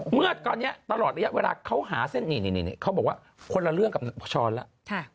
เมื่อตอนนี้ตลอดระยะเวลาเขาหาเส้นนี่เขาบอกว่าคนละเรื่องกับช้อนแล้ว